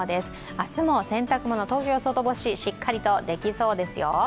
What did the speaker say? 明日も洗濯物、東京は外干ししっかりとできそうですよ。